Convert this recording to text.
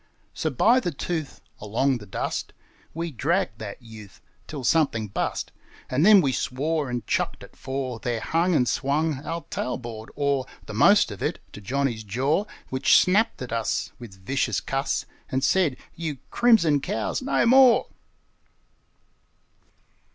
So by the tooth, Along the dust, We dragged that youth Till something bust; And then we swore And chucked it, for There hung And swung Our tailboard, or The most of it, to Johnny's "jore" Which snapped at us With vicious cuss, And said, "You crimson cows, no more!"